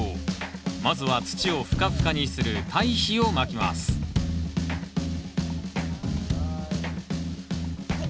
まずは土をふかふかにする堆肥をまきますはい。